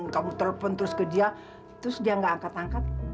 kamu telepon terus ke dia terus dia gak angkat angkat